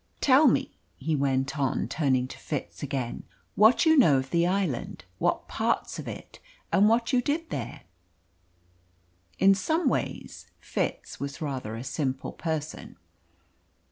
"Tell me," he went on, turning to Fitz again, "what you know of the island what parts of it and what you did there." In some ways Fitz was rather a simple person.